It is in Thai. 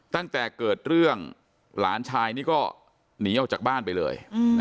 ตั้งแต่เกิดเรื่องหลานชายนี่ก็หนีออกจากบ้านไปเลย